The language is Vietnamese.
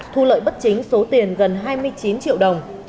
thu lợi bất chính số tiền gần hai mươi chín triệu đồng